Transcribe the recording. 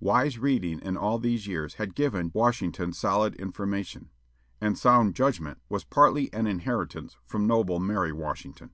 Wise reading in all these years had given Washington "solid information," and "sound judgment" was partly an inheritance from noble Mary Washington.